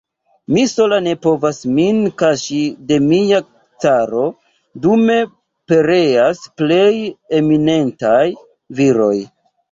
Mi sola ne povas min kaŝi de mia caro, dume pereas plej eminentaj viroj.